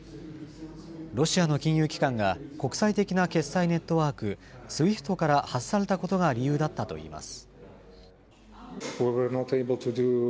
ロシアの金融機関が国際的な決済ネットワーク・ＳＷＩＦＴから外されたことが理由だったといいます。